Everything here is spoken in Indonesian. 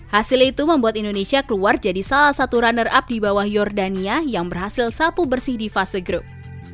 hasil itu membuat indonesia keluar jadi salah satu runner up di bawah jordania yang berhasil sapu bersih di fase grup